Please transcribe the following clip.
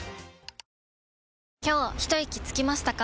今日ひといきつきましたか？